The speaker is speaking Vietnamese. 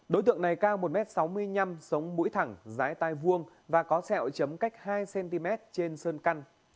đối tượng này cao một m sáu mươi năm sống mũi thẳng dài tai vuông và có sẹo chấm cách hai cm trên sân căn